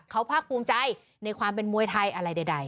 เขาภาคภูมิใจในความเป็นมวยไทยอะไรใด